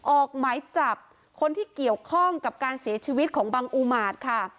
ออกหมายจับคนที่เกี่ยวข้องกับการเสียชีวิตของบังอุมาตค่ะ